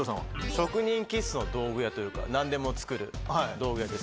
職人気質な道具屋というか、なんでも作る道具屋です。